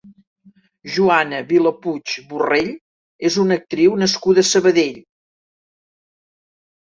Joana Vilapuig Borrell és una actriu nascuda a Sabadell.